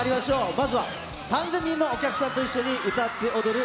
まずは３０００人のお客さんと一緒に歌って踊る！